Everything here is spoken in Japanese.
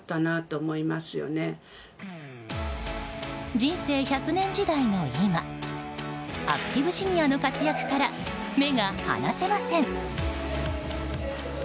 人生１００年時代の今アクティブシニアの活躍から目が離せません！